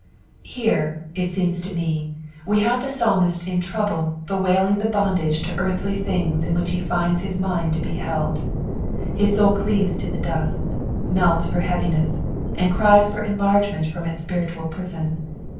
Here, it seems to me, we have the Psalmist in trouble bewailing the bondage to earthly things in which he finds his mind to be held. His soul cleaves to the dust, melts for heaviness, and cries for enlargement from its spiritual prison.